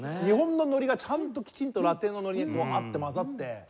日本のノリがちゃんときちんとラテンのノリに合って混ざって。